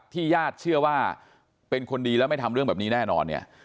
ญาติเชื่อว่าเป็นคนดีแล้วไม่ทำเรื่องแบบนี้แน่นอนเนี่ย